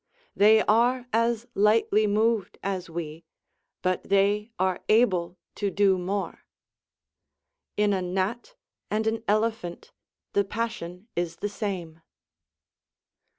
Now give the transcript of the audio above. They are as lightly moved as we, but they are able to do more. In a gnat and an elephant the passion is the same.